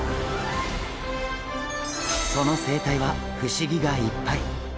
その生態は不思議がいっぱい。